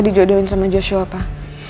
dijodohin sama joshua pak